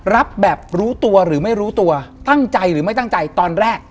รับแบบรู้ตัวหรือไม่รู้ตัวตั้งใจหรือไม่ตั้งใจตอนแรก